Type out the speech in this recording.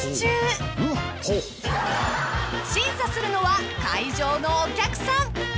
［審査するのは会場のお客さん］